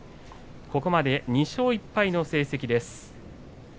ここまで２勝１敗の成績です。